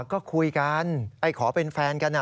ก็คุยกันไอ้ขอเป็นแฟนกัน